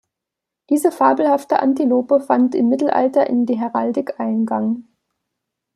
Diese fabelhafte Antilope fand im Mittelalter in die Heraldik Eingang.